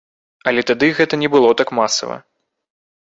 Але тады гэта не было так масава.